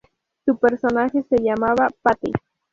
Su personaje se llamaba Pate.